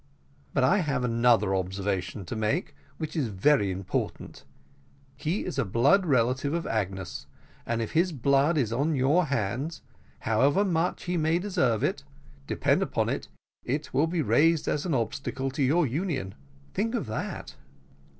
"But I have another observation to make, which is very important: he is a blood relation of Agnes, and if his blood is on your hands, however much he may deserve it, depend upon it, it will be raised as an obstacle to your union; think of that."